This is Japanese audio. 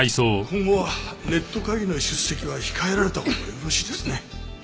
今後はネット会議の出席は控えられたほうがよろしいですね。